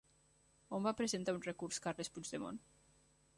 On va presentar un recurs Carles Puigdemont?